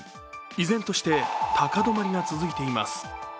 依然として高止まりが続いています。